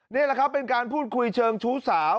นี่แหละครับเป็นการพูดคุยเชิงชู้สาว